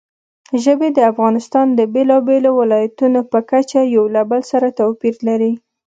ژبې د افغانستان د بېلابېلو ولایاتو په کچه یو له بل سره توپیر لري.